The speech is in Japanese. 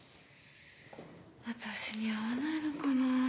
私に合わないのかなぁ。